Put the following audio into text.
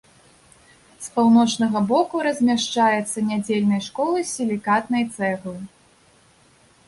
З паўночнага боку размяшчаецца нядзельнай школы з сілікатнай цэглы.